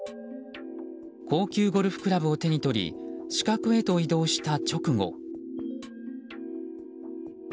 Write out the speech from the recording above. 高級ゴルフクラブを手に取り死角へと移動した直後。